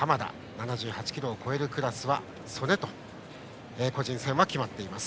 ７８ｋｇを超えるクラスは素根と個人戦は決まっています。